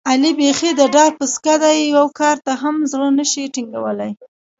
علي بیخي د ډار پسکه دی، یوه کار ته هم زړه نشي ټینګولی.